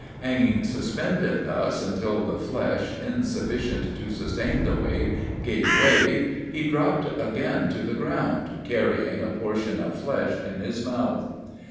Hanging suspended thus until the flesh, insufficient to sustain the weight, gave way, he dropped again to the ground, carrying a portion of flesh in his mouth.